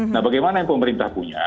nah bagaimana yang pemerintah punya